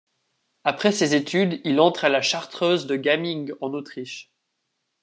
Après ces études, il entre à la chartreuse de Gaming en Autriche.